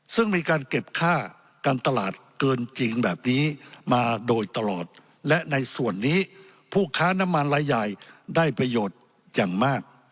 ซึ่งมีการเก็บค่าการตลาดเกินจริงแบบนี้มาโดยตลอดและในส่วนนี้ผู้ค้าน้ำมันรายใหญ่ได้ประโยชน์อย่างมาก